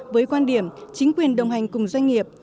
với quan điểm chính quyền đồng hành cùng doanh nghiệp